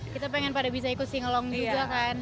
kita pengen pada bisa ikut singolong juga kan